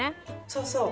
そうそう。